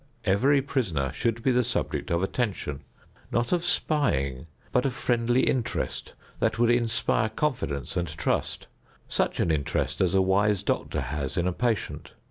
Every prisoner should be the subject of attention, not of spying, but of friendly interest that would inspire confidence and trust, such an interest as a wise doctor has in a patient.